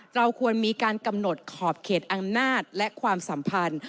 เราควรมีการกำหนดขอบเขตอำนาจและความสัมพันธ์